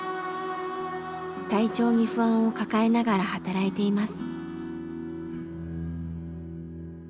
体調に不安を抱えながら働いています。